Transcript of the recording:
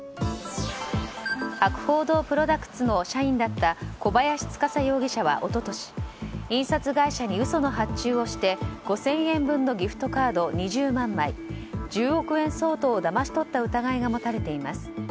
博報堂プロダクツの社員だった小林司容疑者は一昨年、印刷会社に嘘の発注をして５０００円分のギフトカード２０万枚１０億円相当をだまし取った疑いが持たれています。